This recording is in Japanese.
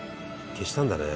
消したんだね。